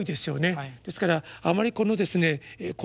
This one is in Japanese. ですからあまりこのですね